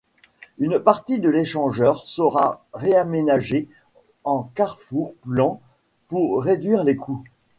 Une partie de l'échangeur sera réaménagé en carrefour plan pour réduire les coûts.